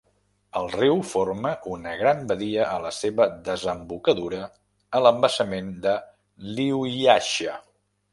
El riu forma una gran badia a la seva desembocadura a l'embassament de Liujiaxia.